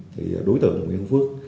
thì đối tượng nguyễn hữu phước